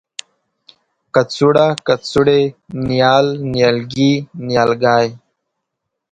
کڅوړه ، کڅوړې ،نیال، نيالګي، نیالګی